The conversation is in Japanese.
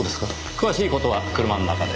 詳しい事は車の中で。